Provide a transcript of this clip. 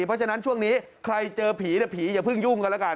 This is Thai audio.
เพราะฉะนั้นช่วงนี้ใครเจอผีผีอย่าเพิ่งยุ่งกันแล้วกัน